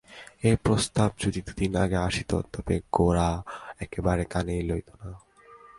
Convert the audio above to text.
এ প্রস্তাব যদি দুইদিন আগে আসিত তবে গোরা একেবারে কানেই লইত না।